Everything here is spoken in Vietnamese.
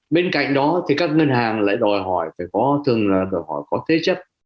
bên cạnh đó thì các ngân hàng lại đòi hỏi phải có thường là đòi hỏi có thế chấp